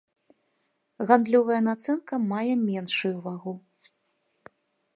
Гандлёвая нацэнка мае меншую вагу.